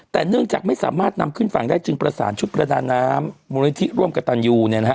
แต่เนื่องจากไม่สามารถนำขึ้นฝั่งได้จึงประสานชุดประดาน้ำมูลนิธิร่วมกับตันยูเนี่ยนะฮะ